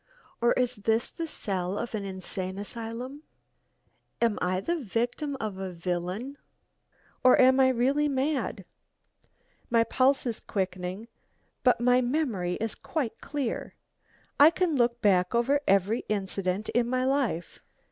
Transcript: or is this the cell of an insane asylum? Am I the victim of a villain? or am I really mad? My pulse is quickening, but my memory is quite clear; I can look back over every incident in my life.